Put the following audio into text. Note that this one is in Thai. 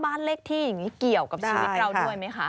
บ้านเลขที่อย่างนี้เกี่ยวกับชีวิตเราด้วยไหมคะ